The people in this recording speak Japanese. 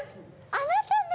あなたね。